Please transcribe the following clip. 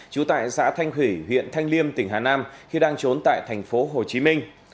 trú tại xã thanh hủy huyện thanh liêm tỉnh hà nam khi đang trốn tại thành phố hồ chí minh